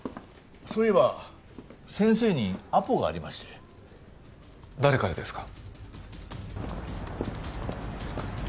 そういえば先生にアポがありまして誰からですか？